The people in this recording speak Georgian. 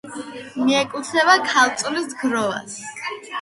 მიეკუთვნება ქალწულის გროვას.